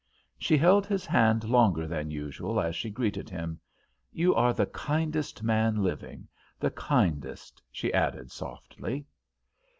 She held his hand longer than usual as she greeted him. "You are the kindest man living, the kindest," she added, softly.